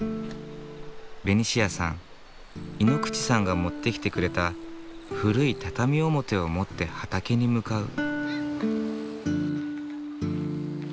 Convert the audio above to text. ベニシアさん井ノ口さんが持ってきてくれた古い畳表を持って畑に向かう。